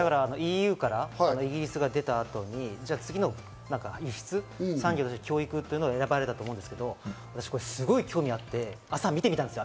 ＥＵからイギリスが出た後に次の輸出産業に教育が選ばれたと思うんですけど、すごく興味があって、朝見てみたんです。